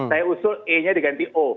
saya usul e nya diganti o